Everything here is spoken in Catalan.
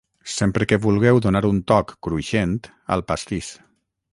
sempre que vulgueu donar un toc cruixent al pastís